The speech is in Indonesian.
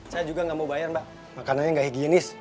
saya juga enggak mau bayar mbak makanannya enggak higienis